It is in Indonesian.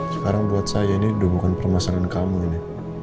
sekarang buat saya ini bukan permasalahan kamu ini